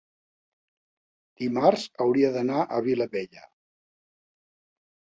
dimarts hauria d'anar a Vilabella.